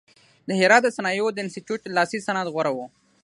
د هرات د صنایعو د انستیتیوت لاسي صنعت غوره و.